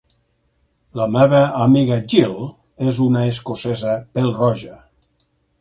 La meva amiga Gill és una escocesa pèl-roja.